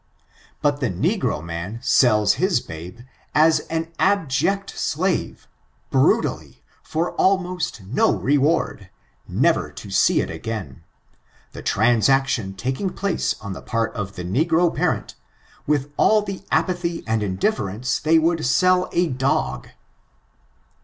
But the negro man sells his habe as an abject slave^ brutally, for almost no reward, never to see it again, the transaction taking place on the part of the nc^ro parent with all the apathy and indifference they would •elV a dog.